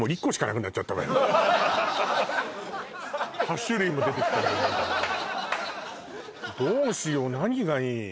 ８種類も出てきたのにどうしよう何がいい？